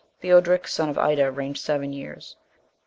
Theodoric, son of Ida, reigned seven years.